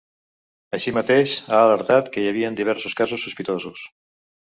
Així mateix, ha alertat que hi havia diversos casos sospitosos.